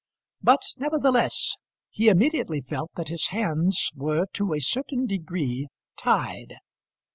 But nevertheless he immediately felt that his hands were to a certain degree tied.